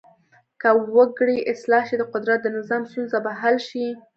که وګړي اصلاح شي د قدرت د نظام ستونزه به حل شي.